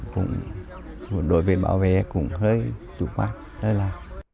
cũng đối với bảo vệ cũng hơi chủ quán hơi là